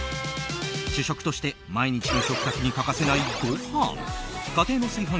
主食として毎日の食卓に欠かせないご飯。